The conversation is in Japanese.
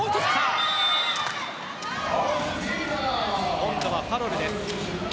今度はファロルです。